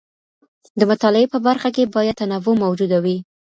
د مطالعې په برخه کي باید تنوع موجوده وي.